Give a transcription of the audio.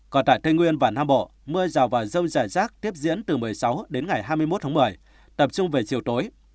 còn tại tây nguyên và nam bộ mưa rào và rông rải rác tiếp diễn từ một mươi sáu đến ngày hai mươi một tháng một mươi tập trung về chiều tối